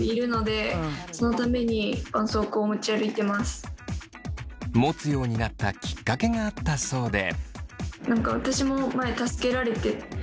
私は持つようになったきっかけがあったそうで。